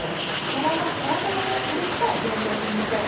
さばは皮側をカリッと焼いておきましょう。